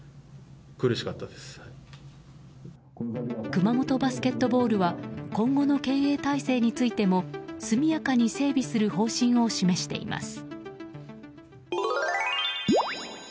熊本バスケットボールは今後の経営体制についても速やかに整備する方針を示しています。